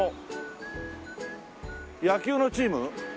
野球のチーム？